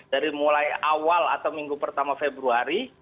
dari mulai awal atau minggu pertama februari